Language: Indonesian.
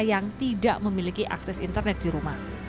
yang tidak memiliki akses internet di rumah